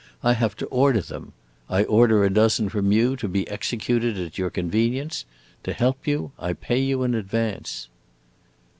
I have to order them. I order a dozen from you, to be executed at your convenience. To help you, I pay you in advance."